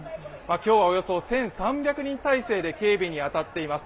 今日はおよそ１３００人態勢で警備に当たっています。